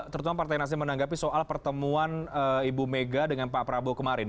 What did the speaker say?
terutama partai nasdem menanggapi soal pertemuan ibu mega dengan pak prabowo kemarin